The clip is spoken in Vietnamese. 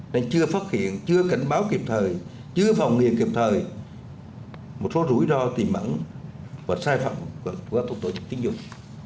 nên chưa phát hiện chưa cảnh báo kịp thời chưa phòng nghiệp kịp thời một số rủi ro tìm ẩn và sai phạm của tổ chức tín dụng